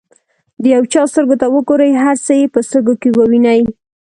د یو چا سترګو ته وګورئ هر څه یې په سترګو کې ووینئ.